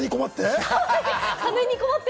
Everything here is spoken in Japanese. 金に困って？